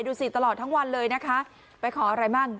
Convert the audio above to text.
ดูสิตลอดทั้งวันเลยนะคะไปขออะไรมั่ง